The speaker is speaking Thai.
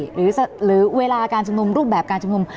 หรือเวลาการชุมนุมรูปแบบการชุมนุม